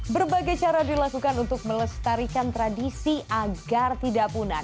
berbagai cara dilakukan untuk melestarikan tradisi agar tidak punah